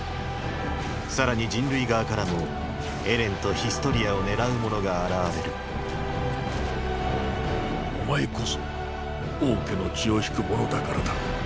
さらに人類側からもエレンとヒストリアを狙う者が現れるお前こそ王家の血を引く者だからだ。